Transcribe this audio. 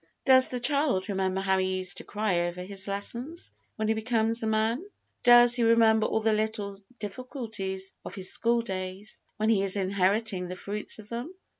Does the child remember how he used to cry over his lessons, when he becomes a man? Does he remember all the little difficulties of his school days, when he is inheriting the fruits of them?